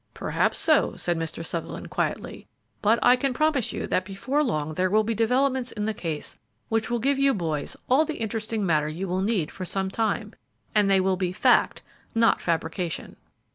"Perhaps so," said Mr. Sutherland, quietly, "but I can promise you that before long there will be developments in the case which will give you boys all the interesting matter you will need for some time, and they will be fact, not fabrication."